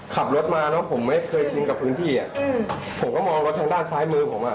ขับรถมาแล้วผมไม่เคยชินกับพื้นที่อ่ะอืมผมก็มองรถทางด้านซ้ายมือผมอ่ะ